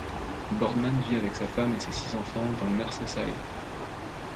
Boardman vit avec sa femme et ses six enfants dans le Merseyside.